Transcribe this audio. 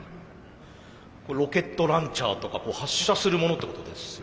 これロケットランチャーとか発射するものってことですよね。